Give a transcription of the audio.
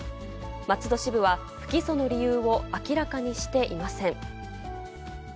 松戸支部は不起訴の理由を明らかにしていません。